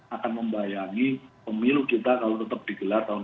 akan membayangi pemilu kita kalau tetap digelar tahun dua ribu dua puluh